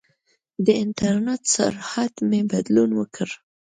د انټرنېټ سرعت مې بدلون وکړ.